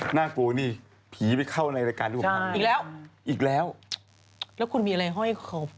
หน้ากลัวนี่ผีไปเข้าในรายการที่ผมทำอีกแล้วแล้วคุณมีอะไรให้เขา